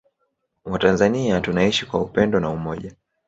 Watanzania tunaishi kwa upendo na umoja